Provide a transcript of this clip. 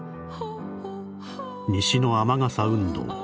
「西の雨傘運動。